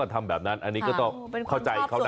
ก็ทำแล้วนั้นอันนี้ก็จะเข้าใจเขานะ